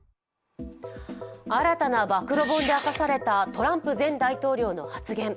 新たな暴露本で明かされたトランプ前大統領の発言。